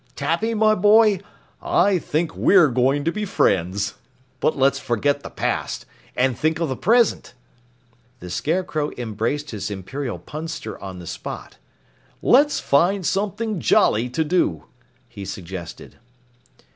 Tappy, my boy, I believe we are going to be friends! But let's forget the past and think of the present!" The Scarecrow embraced his Imperial Punster on the spot. "Let's find something jolly to do," he suggested.